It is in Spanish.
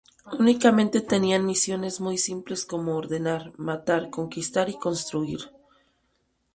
Únicamente tenían misiones muy simples como ordenar, matar, conquistar y construir.